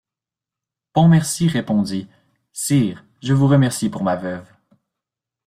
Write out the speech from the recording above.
Pontmercy répondit: Sire, je vous remercie pour ma veuve.